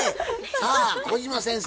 さあ小島先生